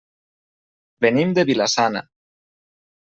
Venim de Vila-sana.